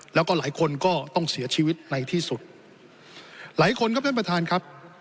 แล้วก็หลายคนก็ต้องเสียชีวิตในที่สุดหลายคนครับท่านประธานครับ